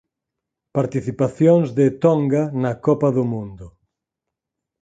Participacións de Tonga na Copa do Mundo.